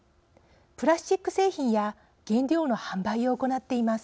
プラスチック製品や原料の販売を行っています。